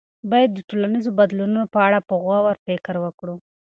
باید د ټولنیزو بدلونونو په اړه په غور فکر وکړو.